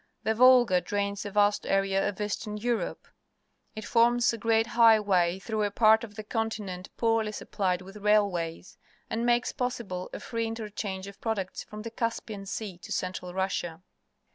The Volga drains a vast area of Eastern Europe. It forms a great highway through a part of the continent poorly supplied with railways, and makes possible a free interchange of products from the Caspian Sea to Central Russia.